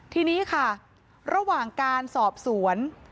ทีนี้ค่ะระหว่างการสอบสวน